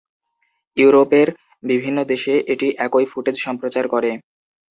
ইউরোপের বিভিন্ন দেশে এটি একই ফুটেজ সম্প্রচার করে।